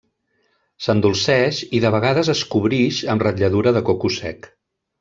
S'endolceix, i de vegades es cobrix amb ratlladura de coco sec.